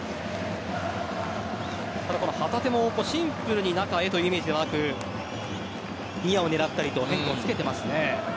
旗手もシンプルに中へというイメージではなくニアを狙ったりとか変化をつけていますよね。